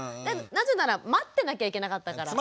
なぜなら待ってなきゃいけなかったから。